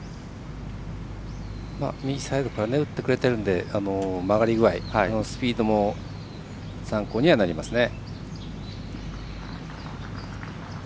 右サイドから打ってくれているので曲がり具合、スピードも参考にはなりますね。